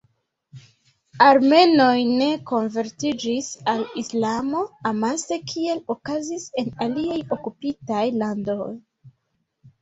Armenoj ne konvertiĝis al Islamo amase kiel okazis en aliaj okupitaj landoj.